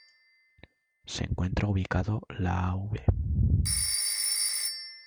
Se encuentra ubicado la Av.